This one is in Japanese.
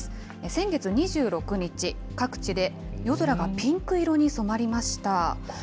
先月２６日、各地で夜空がピンク色に染まりました。